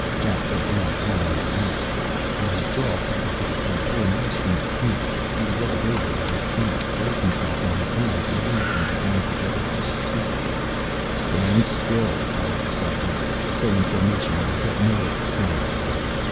Jack fell down, flat on his back. Though his jaw felt as if it were torn loose from its hinge, he rolled over on his side, raised himself on his hands and knees, and began to get up to his feet. "Stand still!" bellowed the sergeant. "Stay in formation or you'll get more of the same!"